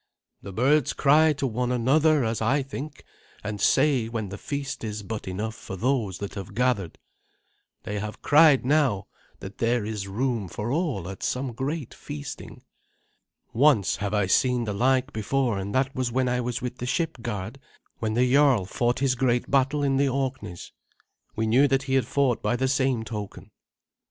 "The birds cry to one another, as I think, and say when the feast is but enough for those that have gathered. They have cried now that there is room for all at some great feasting. Once have I seen the like before, and that was when I was with the ship guard when the jarl fought his great battle in the Orkneys; we knew that he had fought by the same token."